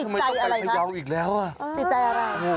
ไปพายาวอีกแล้วติดใจอะไรคะ